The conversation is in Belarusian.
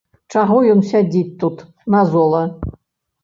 Чаго ён сядзіць тут, назола?